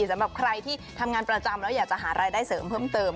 สำหรับใครที่ทำงานประจำแล้วอยากจะหารายได้เสริมเพิ่มเติม